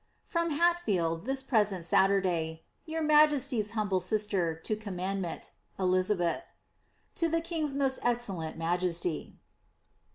From Hatfield, this present Saturday. Your majesty's humble sister, to commandment, *'Elizabbth. * To the king^s most excellent majesty."